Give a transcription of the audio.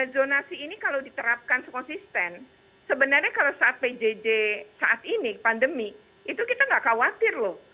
zonasi ini kalau diterapkan sekonsisten sebenarnya kalau saat pjj saat ini pandemi itu kita nggak khawatir loh